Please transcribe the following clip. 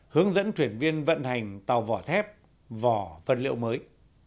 hướng dẫn thuyền viên vận hành tàu vỏ thép vỏ vật liệu mới